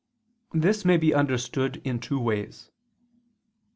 This may be understood in two ways.